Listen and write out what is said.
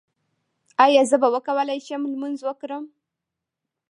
ایا زه به وکولی شم لمونځ وکړم؟